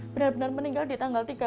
benar benar meninggal di tanggal tiga